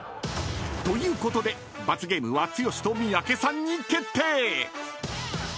［ということで罰ゲームは剛と三宅さんに決定］